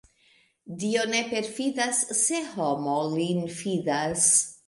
Dio ne perfidas, se homo lin fidas.